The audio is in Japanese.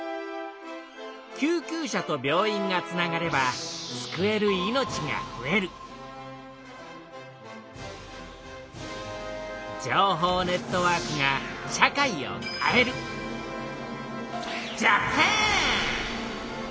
救急車と病院がつながれば救える命がふえる情報ネットワークが社会を変えるジャパン！